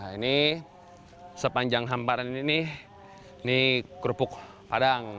ini sepanjang hamparan ini ini kerupuk padang